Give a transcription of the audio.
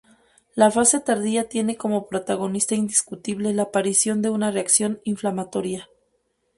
La fase tardía tiene como protagonista indiscutible la aparición de una reacción inflamatoria.